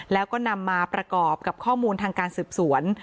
แล้วก็นำมาประกอบกับข้อมูลทางการสืบสวน